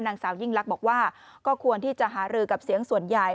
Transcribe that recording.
นางสาวยิ่งลักษณ์บอกว่าก็ควรที่จะหารือกับเสียงส่วนใหญ่